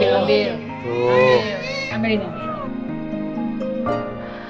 harusnya aku bisa kuat untuk anak anakku